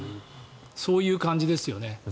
そういう感じですよね。